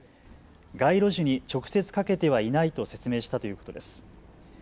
街路樹に直接かけてはいないと説明したということです。